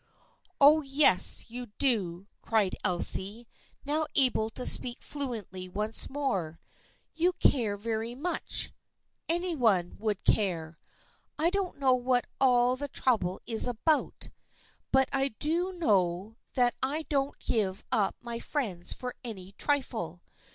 " Oh, yes, you do !" cried Elsie, now able to speak fluently once more. " You care very much. THE FRIENDSHIP OF ANNE 113 Any one would care. I don't know what all the trouble is about, but I do know that I don't give up my friends for any trifle.